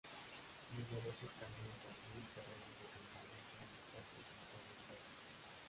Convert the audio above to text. Numerosos caminos a pie y terrenos de campaña están dispersos en todo el parque.